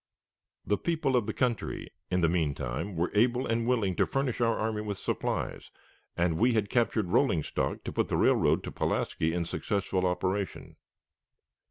The people of the country, in the mean time, were able and willing to furnish our army with supplies, and we had captured rolling stock to put the railroad to Pulaski in successful operation.